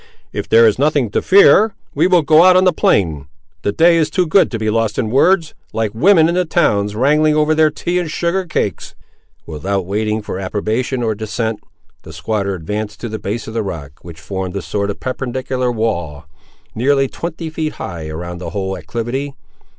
"If there is nothing to fear, we will go out on the plain; the day is too good to be lost in words, like women in the towns wrangling over their tea and sugared cakes." Without waiting for approbation or dissent, the squatter advanced to the base of the rock, which formed a sort of perpendicular wall, nearly twenty feet high around the whole acclivity.